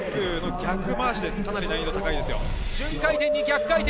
逆まわし、かなり難易度高いですよ。